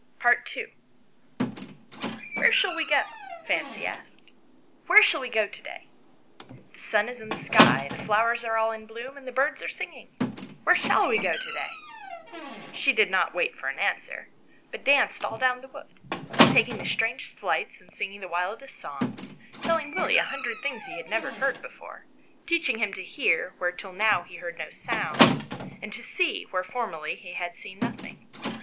n. " WHEEE shall we go ?" Fancy asked ;" where shall we go to day? The sun is in the sky, the flowers are all in bloom, and the birds are singing. Where shall we go to day?" She did not wait for an answer, but danced all down the wood, taking the strangest flights and singing the wildest songs, telling Willie a hundred things he had never heard before, teaching him to he'ar where till now he had heard no sound, and to see where formerly he' had seen nothing.